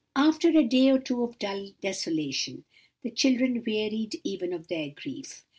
After a day or two of dull desolation, the children wearied even of their grief.